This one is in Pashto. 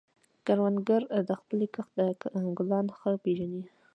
کروندګر د خپلې کښت ګلان ښه پېژني